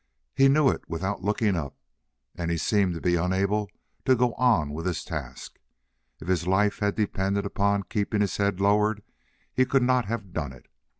He knew it without looking up and he seemed to be unable to go on with his task. If his life had depended upon keeping his head lowered he could not have done it.